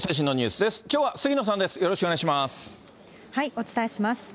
お伝えします。